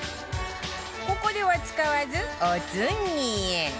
ここでは使わずお次へ